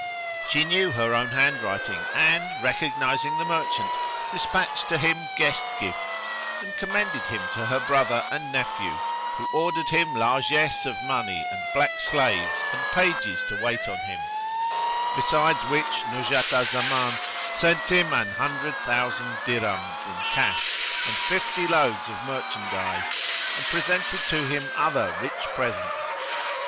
She knew her own handwriting and, recognising the merchant, despatched to him guest gifts and commended him to her brother and nephew, who ordered him largesse of money and black slaves and pages to wait on him; besides which Nuzhat al Zaman sent him an hundred thousand dirhams in cash and fifty loads of merchandise and presented to him other rich presents.